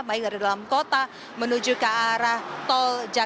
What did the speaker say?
baik dari dalam kota menuju ke arah tol jakarta